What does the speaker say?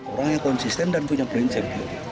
orang yang konsisten dan punya prinsip